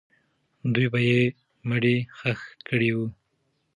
دوی به یې مړی ښخ کړی وو.